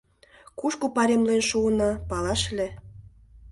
Кушко пайремлен шуына — палаш ыле?